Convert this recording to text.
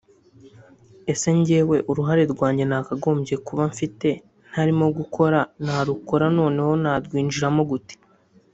ese njyewe uruhare rwanjye nakagombye kuba mfite ntarimo gukora narukora noneho narwinjiramo gute